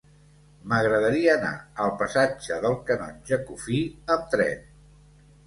M'agradaria anar al passatge del Canonge Cuffí amb tren.